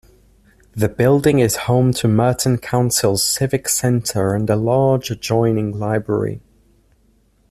The building is home to Merton Council's Civic Centre and a large adjoining library.